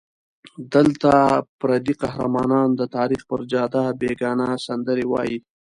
دلته پردي قهرمانان د تاریخ پر جاده بېګانه سندرې وایي.